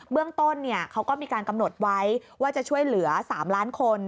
เรื่องต้นเขาก็มีการกำหนดไว้ว่าจะช่วยเหลือ๓ล้านคน